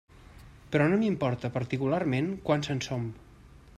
Però no m'importa particularment quants en som.